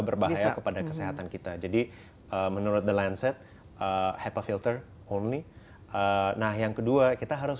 berbahaya kepada kesehatan kita jadi menurut the landset hepa filter home nah yang kedua kita harus